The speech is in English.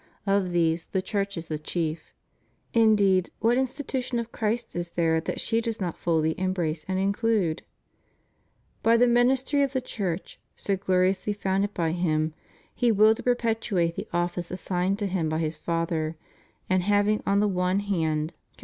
Of these the Church is the chief. Indeed, what institu tion of Christ is there that she does not fully embrace and include? By the ministry of the Church, so gloriously foimded by Him, He willed to perpetuate the office assigned to Him by His Father, and having on the one hand con 470 CHRIST OUR REDEEMER.